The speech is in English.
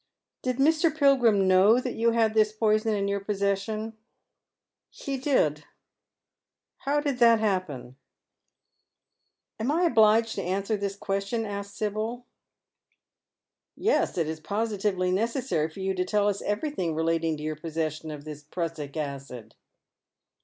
"Did Mr. Pilgrim know that you had this poison in yoai possession ?"" He did." " How did that happen ?"" Am I obliged to answer this question ?" asks Sibyl. " Yes, it is positively necessary for you to tell us everything relating to your possession of this prussic acid."